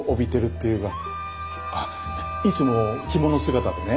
あっいつも着物姿でね